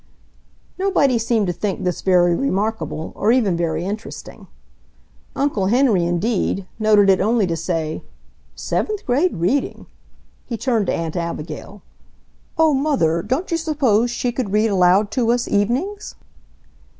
Nobody seemed to think this very remarkable, or even very interesting. Uncle Henry, indeed, noted it only to say, "Seventh grade reading!" He turned to Aunt Abigail. "Oh, Mother, don't you suppose she could read aloud to us evenings?"